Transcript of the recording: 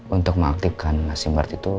untuk mengaktifkan simpart itu